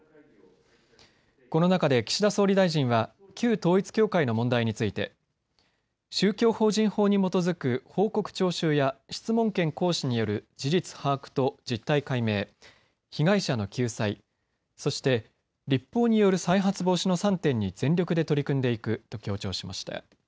この中で岸田総理大臣は旧統一教会の問題について宗教法人法に基づく報告徴収や質問権行使による事実把握と実態解明、被害者の救済、そして立法による再発防止の３点に全力で取り組んでいくと強調しました。